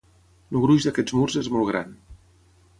El gruix d'aquests murs és molt gran.